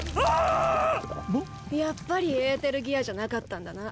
やっぱりエーテルギアじゃなかったんだな。